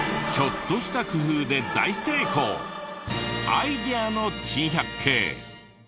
アイデアの珍百景。